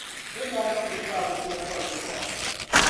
Bɛ ni daa na kul kpaai bɛ nina kpa zuɣusaa.